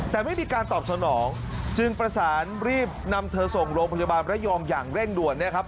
แต่ไม่มีการตอบสนองจึงประสานรีบนำเธอส่งโรงพยาบาลระยองอย่างเร่งด่วนเนี่ยครับ